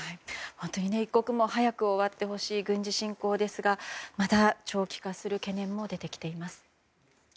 一刻も早く終わってほしい軍事侵攻ですが長期化する懸念も出てきています。